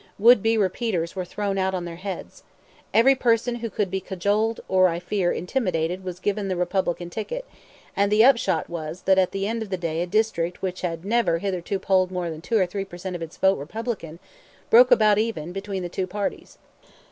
Would be repeaters were thrown out on their heads. Every person who could be cajoled or, I fear, intimidated, was given the Republican ticket, and the upshot was that at the end of the day a district which had never hitherto polled more than two or three per cent of its vote Republican broke about even between the two parties.